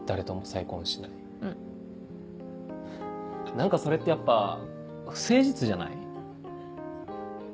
何かそれってやっぱ不誠実じゃない？